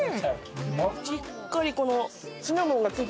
しっかりこの。